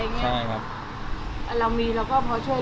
ยังไม่ได้หาตังค์ให้เขาเลยยังไม่รู้ค่ารถอะไรอย่างนี้ใช่ครับ